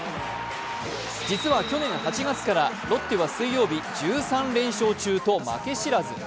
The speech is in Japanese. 実は去年８月からロッテは水曜日１３連勝中と負け知らず。